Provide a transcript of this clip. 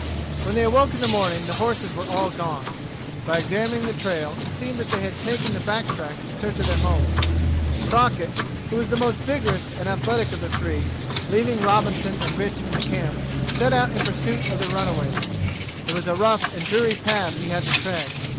When they awoke in the morning the horses were all gone. By examining the trail it seemed that they had taken the back track in search of their homes. Crockett, who was the most vigorous and athletic of the three, leaving Robinson and Rich in the camp, set out in pursuit of the runaways. It was a rough and dreary path he had to tread.